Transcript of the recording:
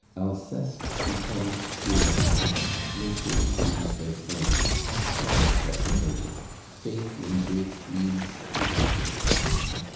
Alceste becomes Philinte, natures lose their firmness, talents are perverted, faith in great deeds evaporates.